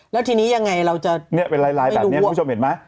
แล้วทีนี้ยังไงเราจะไม่รู้ว่านี่เป็นลายลายแบบนี้ทุกชมเห็นไหม